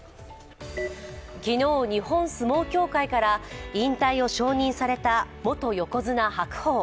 昨日、日本相撲協会から引退を承認された元横綱・白鵬。